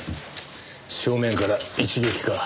正面から一撃か。